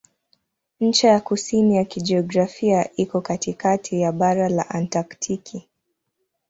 Ncha ya kusini ya kijiografia iko katikati ya bara la Antaktiki.